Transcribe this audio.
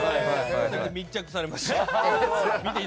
密着されました。